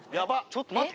ちょっと待って。